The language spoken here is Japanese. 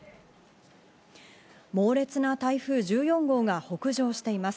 猛烈な台風１４号が北上しています。